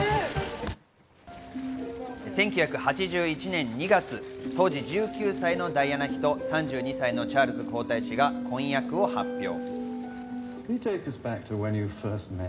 １９８１年２月、当時１９歳のダイアナ妃と３２歳のチャールズ皇太子が婚約を発表。